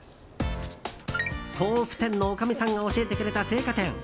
豆腐店のおかみさんが教えてくれた青果店。